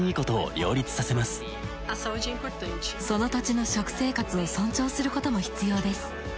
その土地の食生活を尊重することも必要です。